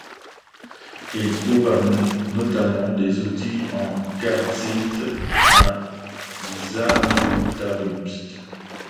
Il trouva notamment des outils en quartzite à Xamontarupt.